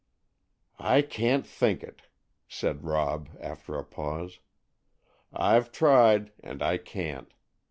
"I can't think it," said Rob, after a pause; "I've tried, and I can't.